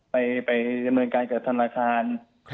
ไปเมืองการกับธนาคาร